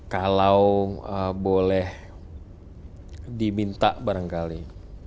kalau boleh diminta barangkali